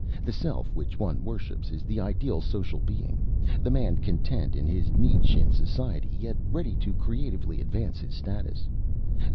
The self which one worships is the ideal social being: the man content in his niche in society, yet ready to creatively advance his status.